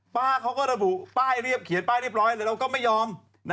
ป้าเค้าก็เขียนป้ายเรียบร้อยเราก็ไม่ยอม